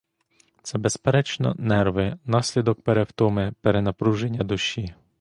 Це, безперечно, нерви, наслідок перевтоми, перенапруження душі.